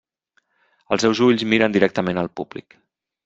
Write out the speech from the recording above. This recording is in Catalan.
Els seus ulls miren directament el públic.